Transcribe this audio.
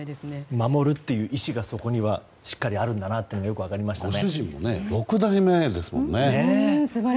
守るという意思がそこにしっかりあるんだということがよく分かりましたね。